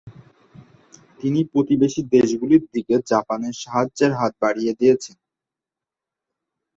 তিনি প্রতিবেশী দেশগুলির দিকে জাপানের সাহায্যের হাত বাড়িয়ে দিয়েছেন।